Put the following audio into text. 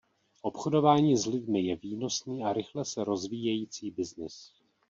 Obchodování s lidmi je výnosný a rychle se rozvíjející byznys.